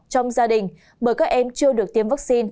trong gia đình bởi các em chưa được tiêm vaccine